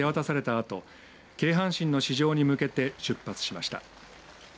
あと京阪神の市場に向けて出発しました。